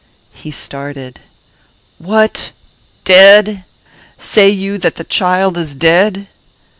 He started. "What! dead? Say you that the child is dead?"